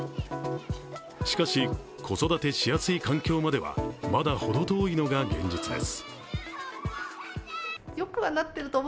しかし、子育てしやすい環境まではまだほど遠いのが現実です。